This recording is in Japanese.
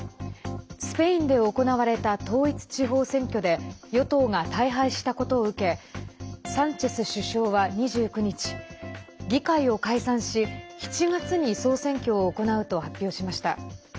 スペインで行われた統一地方選挙で与党が大敗したことを受けサンチェス首相は２９日議会を解散し７月に総選挙を行うと発表しました。